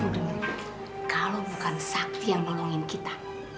kalau bukan sakti yang nolongin kita